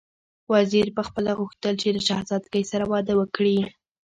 وزیر پخپله غوښتل چې له شهزادګۍ سره واده وکړي.